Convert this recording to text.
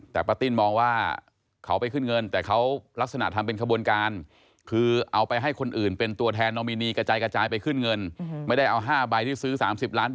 แต่ประดาษติ้นบอกว่าเขาไปขึ้นเงิน